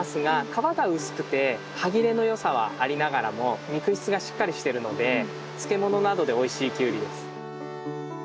皮が薄くて歯切れのよさはありながらも肉質がしっかりしてるので漬物などでおいしいキュウリです。